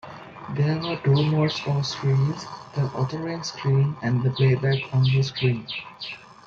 There were two modes or screens, the authoring screen and the playback-only screen.